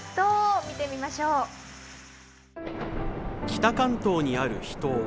北関東にある秘湯